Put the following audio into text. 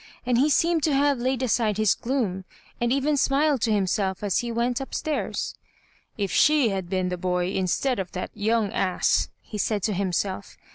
And he seemed to have laid aside his gloom, and eren smiled to himself as he went up stairs. If she had been the boy instead of that young ass, he said to himself.